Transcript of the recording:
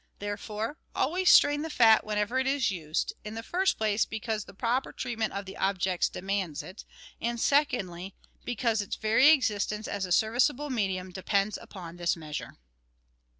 Therefore, always strain the fat whenever it is used — in the first place because the proper treatment of the objects demands it, and, secondly, because its very existence as a serviceable medium depends upon this measure.